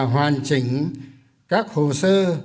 hàn chỉnh các hồ sơ